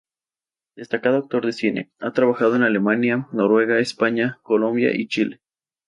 Destacado actor de cine, ha trabajado en Alemania, Noruega, España, Colombia y Chile.